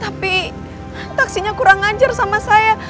tapi taksinya kurang ngajar sama saya